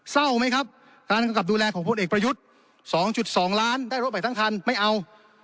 เศร้าไหมครับการกำกับดูแลของพลเอกประยุทธ์๒๒ล้านได้รถไปทั้งคันไม่เอา